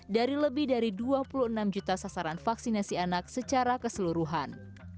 dari lebih dari dua puluh enam juta sasaran vaksinasi anak secara keseluruhan